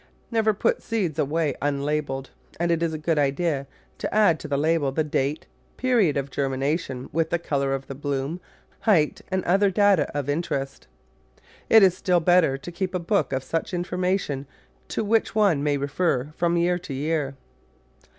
Never put seeds away unlabelled, and it is a good idea to add to the label the date, period of germination, with the colour of the bloom, height, and other data of interest. It is still better to keep a book of such information to which one may refer from year to year.